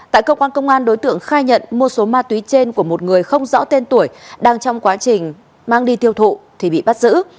tại cơ quan công an đối tượng khai nhận mua số ma túy trên của một người không rõ tên tuổi đang trong quá trình mang đi tiêu thụ thì bị bắt giữ